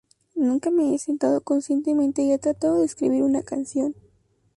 Nunca me he sentado conscientemente y he tratado de escribir una canción".